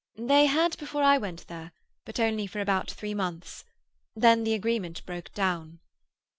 "They had before I went there; but only for about three months. Then the agreement broke down."